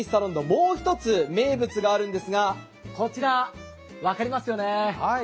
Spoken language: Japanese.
もう一つあるんですがこちら分かりますよね。